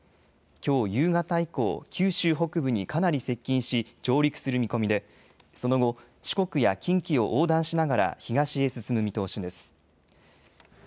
きょう夕方以降、九州北部にかなり接近し上陸する見込みでその後、四国や近畿を横断しながら東へ進む見通しです。